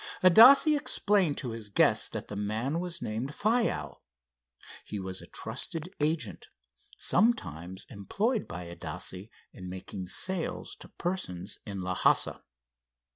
Adasse explained to his guest that the man was named Faiow. He was a trusted agent, sometimes employed by Adasse in making sales to persons in Lhassa.